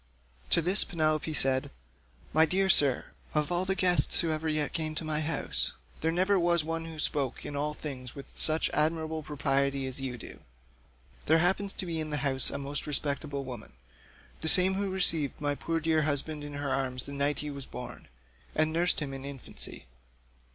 To this Penelope said, "My dear sir, of all the guests who ever yet came to my house there never was one who spoke in all things with such admirable propriety as you do. There happens to be in the house a most respectable old woman—the same who received my poor dear husband in her arms the night he was born, and nursed him in infancy.